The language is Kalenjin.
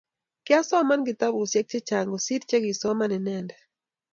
Kiasoman kitabushek che chang kosoir che kisoman inendet